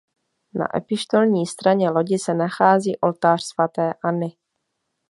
Na epištolní straně lodi se nachází oltář svaté Anny.